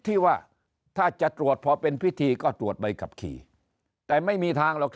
ที่ว่าถ้าจะตรวจพอเป็นพิธีก็ตรวจใบขับขี่แต่ไม่มีทางหรอกครับ